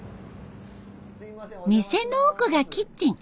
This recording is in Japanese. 店の奥がキッチン。